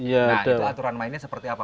nah itu aturan mainnya seperti apa